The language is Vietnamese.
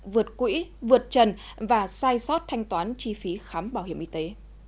vượt quỹ vượt trần và sai sót thanh toán chi phí khám bảo hiểm y tế